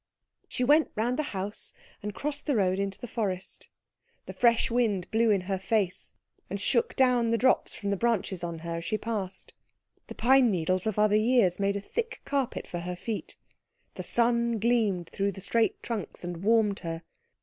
She went round the house and crossed the road into the forest. The fresh wind blew in her face, and shook down the drops from the branches on her as she passed. The pine needles of other years made a thick carpet for her feet. The sun gleamed through the straight trunks and warmed her.